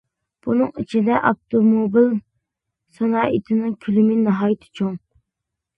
بۇنىڭ ئىچىدە ئاپتوموبىل سانائىتىنىڭ كۆلىمى ناھايىتى چوڭ.